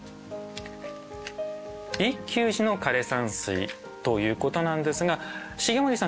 一休寺の枯山水ということなんですが重森さん